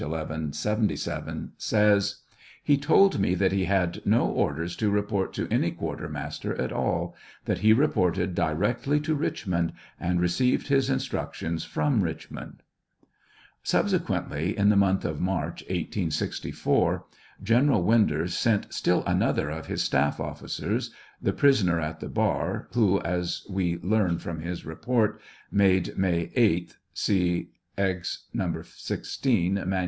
1177,) says : He told me that he had no orders to report to any quartermaster at all ; that he reported directly to Richmond, and received his instructions from Richmond. Subsequently in the month of March, 1864, General Winder sent still another of his staff officers, the prisoner at the bar, who, as we learn from his report, 752 TRIAL OF HENRY WIRZ. made May 8th, (see Ex. No.